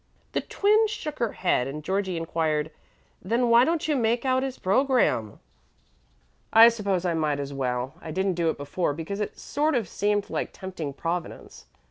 The Twin shook her head, and Georgie inquired, "Then why don't you make out his program?" "I suppose I might as well. I didn't do it before because it sort of seemed like tempting Providence.